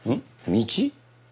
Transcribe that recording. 道？